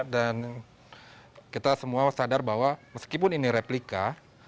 dan kita semua sadar bahwa meskipun ini replika